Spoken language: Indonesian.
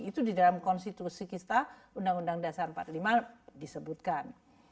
itu di dalam konstitusi kita undang undang dasar empat puluh lima disebutkan